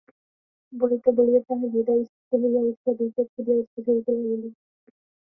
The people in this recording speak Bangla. বলিতে বলিতে তাহার হৃদয় স্ফীত হইয়া উঠিয়া দুই চক্ষু দিয়া অশ্রু ঝরিতে লাগিল।